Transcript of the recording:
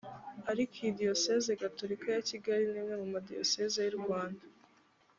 arikidiyosezi gatolika ya kigali ni imwe mu madiyosezi y’u rwanda